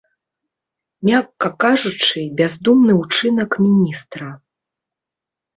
Мякка кажучы, бяздумны ўчынак міністра.